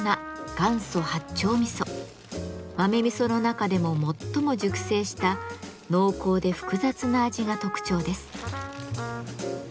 豆味噌の中でも最も熟成した濃厚で複雑な味が特徴です。